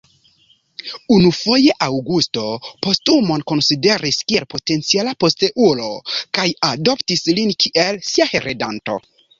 Unufoje Aŭgusto Postumon konsideris kiel potenciala posteulo kaj adoptis lin kiel sia heredanto.